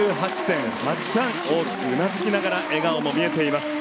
大きくうなずきながら笑顔も見えています。